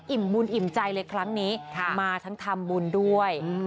อิ่มมูลอิ่มใจเลยครั้งนี้ค่ะมาทั้งทำบุญด้วยอืม